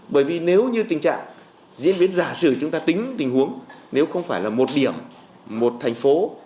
bởi vì nếu như tình trạng diễn biến giả sử chúng ta tính tình huống nếu không phải là một điểm một thành phố